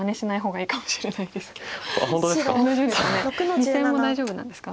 ２線も大丈夫なんですか。